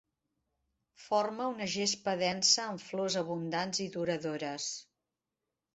Forma una gespa densa amb flors abundants i duradores.